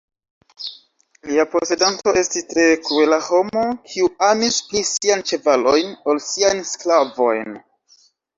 Lia posedanto estis tre kruela homo, kiu amis pli siajn ĉevalojn ol siajn sklavojn.